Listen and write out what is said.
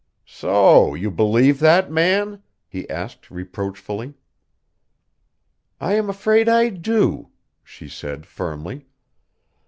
"So you believe that man?" he asked reproachfully. "I am afraid I do," she said firmly.